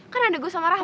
kan ada gue sama rahma